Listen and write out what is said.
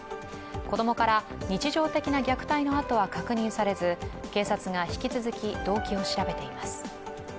子供から日常的な虐待の痕は確認されず、警察が引き続き動機を調べています。